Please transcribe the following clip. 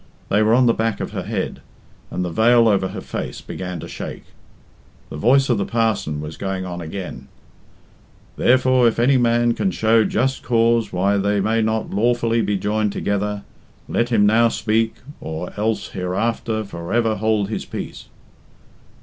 They were on the back of her head, and the veil over her face began to shake. The voice of the parson was going on again "Therefore if any man can show just cause why they may not lawfully be joined together, let him now speak, or else hereafter for ever hold his peace."